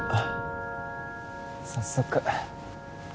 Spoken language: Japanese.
早速